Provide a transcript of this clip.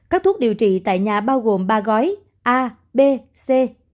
các thuốc điều trị tại nhà bao gồm ba gói a b c